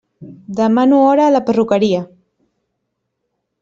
Demano hora a la perruqueria.